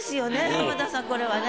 浜田さんこれはね。